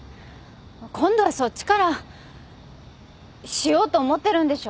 今度はそっちからしようと思ってるんでしょ？